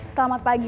selamat pagi om